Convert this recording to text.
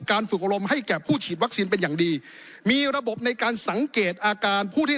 ฝึกอารมณ์ให้แก่ผู้ฉีดวัคซีนเป็นอย่างดีมีระบบในการสังเกตอาการผู้ที่